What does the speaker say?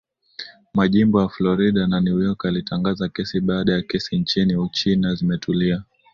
Majimbo ya Florida na New York yalitangaza kesi baada ya kesi nchini Uchina zimetulia